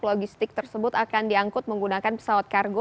logistik tersebut akan diangkut menggunakan pesawat kargo